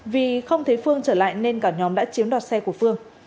vì không thấy phương trở lại nên cả nhóm đã chiếm đoạt xe của phương